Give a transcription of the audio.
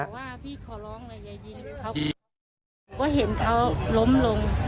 ก็เห็นเขาล้มลง